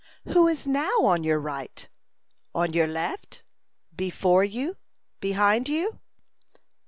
Who is now on your right? On your left? Before you? Behind you?